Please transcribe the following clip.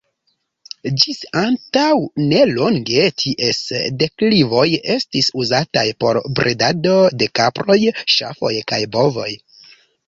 Ĝis antaŭ nelonge, ties deklivoj estis uzataj por bredado de kaproj, ŝafoj kaj bovoj.